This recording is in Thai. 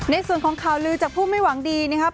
ในส่วนของข่าวลือจากผู้ไม่หวังดีนะครับ